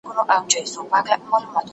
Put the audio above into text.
زه اوبه نه ورکوم.